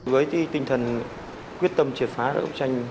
với tinh thần quyết tâm triệt phá đấu tranh